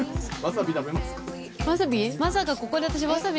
わさび？